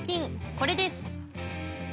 これです。